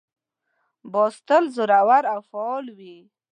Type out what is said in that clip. باز تل زړور او فعال وي